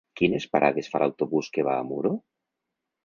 Quines parades fa l'autobús que va a Muro?